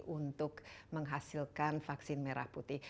untuk menghasilkan vaksin merah putih